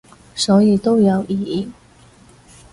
所以都有意義